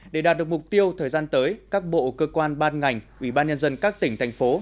để đạt được mục tiêu thời gian tới các bộ cơ quan ban ngành ủy ban nhân dân các tỉnh thành phố